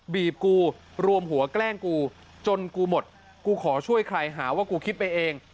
บีบกูรวมหัวแกล้งกูจนกูหมดกูขอช่วยใครหาว่ากูคิดไปเอง